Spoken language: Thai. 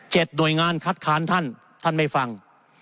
หน่วยงานคัดค้านท่านท่านไม่ฟัง